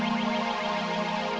minta doang karst